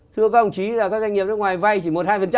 thưa các ông chí là các doanh nghiệp nước ngoài vay chỉ một hai